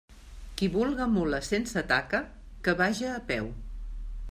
Qui vulga mula sense taca, que vaja a peu.